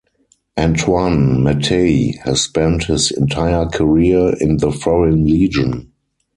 Antoine Mattei has spent his entire career in the Foreign Legion.